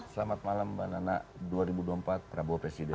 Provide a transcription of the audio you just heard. selamat malam mbak nana dua ribu dua puluh empat prabowo presiden